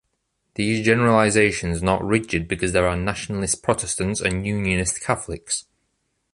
These generalizations are not rigid because there are nationalist Protestants and unionist Catholics.